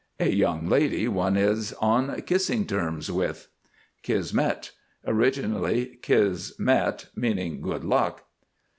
A young lady one is on kissing terms with. KISMET. Originally kiss met, meaning Good Luck.